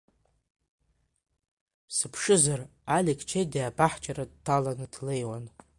Сыԥшызар, Алик Чедиа абаҳчара дҭаланы длеиуан.